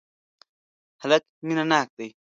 هلک مینه ناک دی.